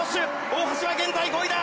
大橋は現在５位だ。